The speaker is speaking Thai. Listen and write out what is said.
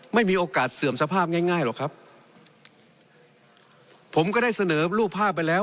ไม่มีโอกาสเสื่อมสภาพง่ายง่ายหรอกครับผมก็ได้เสนอรูปภาพไปแล้ว